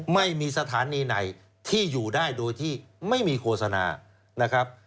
ไม่มีสถานีไหนที่อยู่ได้โดยที่ไม่มีโฆษณานะครับ